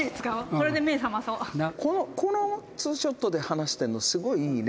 「この２ショットで話してるのすごい、いいね」